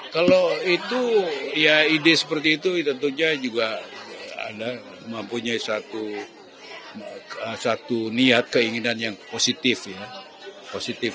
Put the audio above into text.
kalau itu ya ide seperti itu tentunya juga anda mempunyai satu niat keinginan yang positif ya